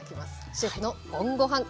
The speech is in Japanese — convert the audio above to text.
シェフのＯＮごはん